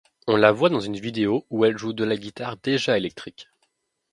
On la voit dans une vidéo où elle joue de la guitare déjà électrique.